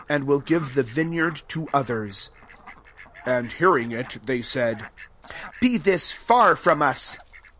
147 and will give the vineyard to others." And hearing it, they said, "Be this far from us."